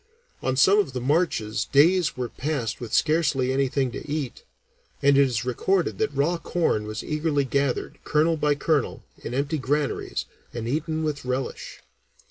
On some of the marches days were passed with scarcely anything to eat, and it is recorded that raw corn was eagerly gathered, kernel by kernel, in empty granaries, and eaten with a relish.